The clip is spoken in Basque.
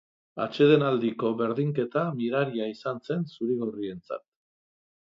Atsedenaldiko berdinketa miraria izan zen zuri-gorrientzat.